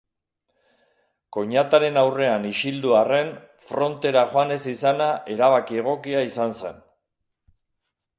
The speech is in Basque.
Koinataren aurrean isildu arren, frontera joan ez izana erabaki egokia izan zen.